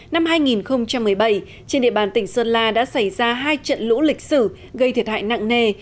năm hai nghìn một mươi bảy trên địa bàn tỉnh sơn la đã xảy ra hai trận lũ lịch sử gây thiệt hại nặng nề